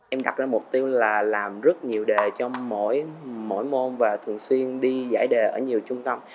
em đặt ra mục tiêu là làm rất nhiều đề trong mỗi môn và thường xuyên đi giải đề ở nhiều trung tâm